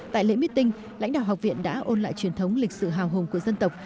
tại lễ meeting lãnh đạo học viện đã ôn lại truyền thống lịch sử hào hùng của dân tộc